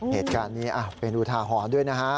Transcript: เหตุการณ์นี้เป็นอุทาหรณ์ด้วยนะฮะ